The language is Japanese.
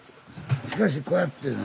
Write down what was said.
しかしこうやって。